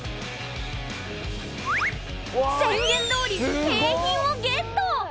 宣言どおり、景品をゲット！